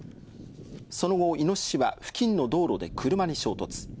その後、イノシシは付近の道路で車に衝突。